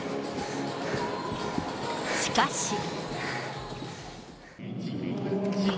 しかし。